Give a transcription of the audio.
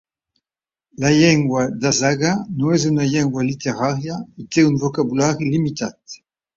La llengua Dazaga no és una llengua literària i té un vocabulari limitat.